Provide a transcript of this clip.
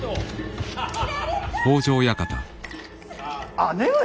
・姉上？